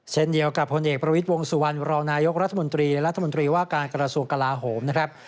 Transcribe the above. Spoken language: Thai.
เช่นเดียวกับผลเอกประวิทย์วงสุวรรณรองนายกรัฐมนตรีและรัฐมนตรีว่าการกระทรวงกลาโหมนะครับ